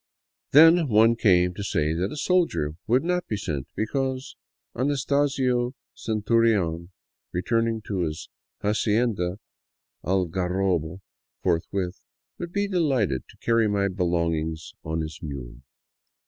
Then some one came to say that a soldier would not be sent, because Anastasio Centurion, return ing to his " Hacienda Algarrobo " forthwith, would be delighted to carry my belongings on his mule.